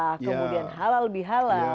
kemudian halal lebih halal